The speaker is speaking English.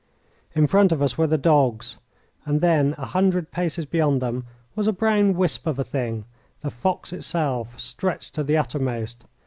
In front of us were the dogs, and then, a hundred paces beyond them, was a brown wisp of a thing, the fox itself, stretched to the uttermost.